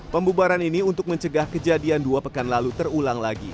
pembubaran ini untuk mencegah kejadian dua pekan lalu terulang lagi